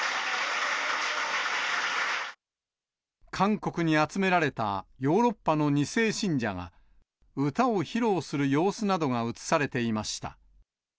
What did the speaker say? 韓国に集められたヨーロッパの２世信者が歌を披露する様子などが写されていました。